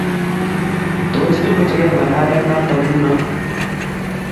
Tos, imache kengalale noto nguno?